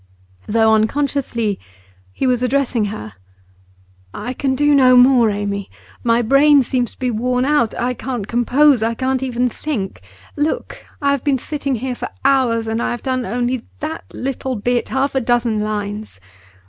Though unconsciously, he was addressing her: 'I can do no more, Amy. My brain seems to be worn out; I can't compose, I can't even think. Look! I have been sitting here for hours, and I have done only that little bit, half a dozen lines.